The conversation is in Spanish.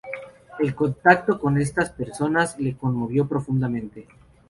El contacto con estas personas le conmovió profundamente.